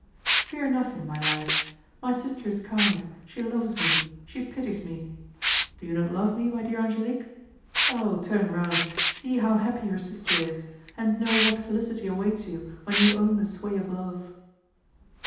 "Fear nothing, my life; my sister is kind, she loves me, she pities me; do you not love me, my dear Angelique? Oh! turn round, see how happy your sister is, and know what felicity awaits you when you own the sway of love."